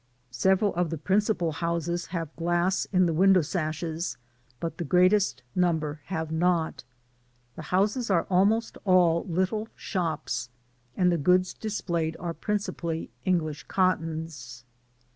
Some of the principal bouses have g}ass in the window sa^es, but the greatest num ber have not. ^be bouses are almost all little ^ps, and the^ goods .displayed are principally English cottons.